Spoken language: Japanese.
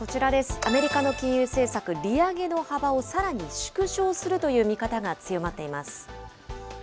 アメリカの金融政策、利上げの幅をさらに縮小するという見方が強まっています。